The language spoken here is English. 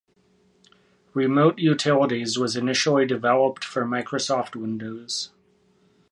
Remote Utilities was initially developed for Microsoft Windows.